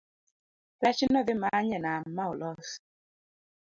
rech nodhimany e nam maolos